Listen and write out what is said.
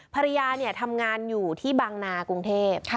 ภรรยาทำงานอยู่ที่บางนากรุงเทพ